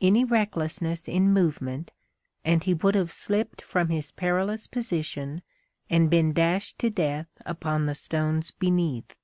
Any recklessness in movement, and he would have slipped from his perilous position and been dashed to death upon the stones beneath.